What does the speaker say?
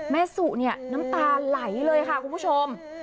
สุเนี่ยน้ำตาไหลเลยค่ะคุณผู้ชม